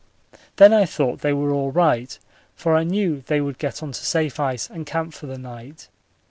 Then I thought they were all right, for I knew they would get on to safe ice and camp for the night.